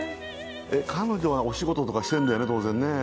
彼女はお仕事とかしてるんだよね当然ね。